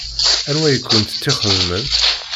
Anwa i kent-tt-ixedmen?